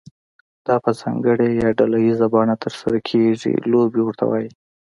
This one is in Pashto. دا په ځانګړې یا ډله ییزه بڼه ترسره کیږي لوبې ورته وایي.